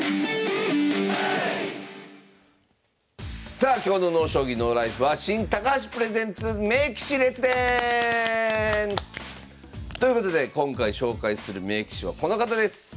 さあ今日の「ＮＯ将棋ＮＯＬＩＦＥ」は「新・高橋プレゼンツ名棋士・列伝」！ということで今回紹介する名棋士はこの方です。